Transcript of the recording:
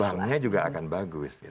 banknya juga akan bagus